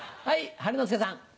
はい。